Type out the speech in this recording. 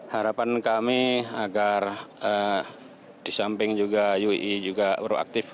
harapan kami agar di samping ui juga proaktif